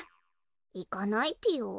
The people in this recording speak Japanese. いかないぴよ。